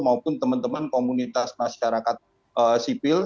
maupun teman teman komunitas masyarakat sipil